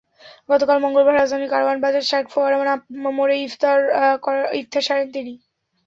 গতকাল মঙ্গলবার রাজধানীর কারওয়ান বাজারে সার্ক ফোয়ারা মোড়ে ইফতার সারেন তিনি।